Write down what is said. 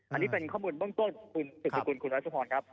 อันนี้เป็นข้อมูลเบื้องต้นของสุขุนคุณรัฐสุภรณ์ครับ